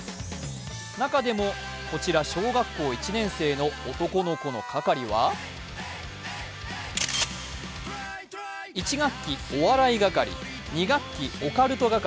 中でもこちら、小学校１年生の男の子の係は１学期、お笑い係、２学期、オカルト係。